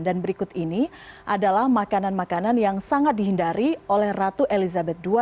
dan berikut ini adalah makanan makanan yang sangat dihindari oleh ratu elizabeth ii